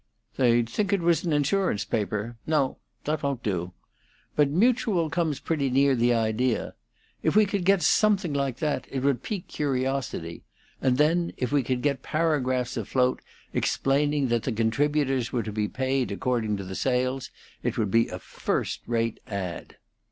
"They'd think it was an insurance paper. No, that won't do. But Mutual comes pretty near the idea. If we could get something like that, it would pique curiosity; and then if we could get paragraphs afloat explaining that the contributors were to be paid according to the sales, it would be a first rate ad."